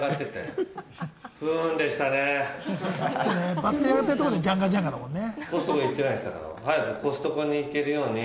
バッテリーあがってるところで、ジャンガジャンガだもんね。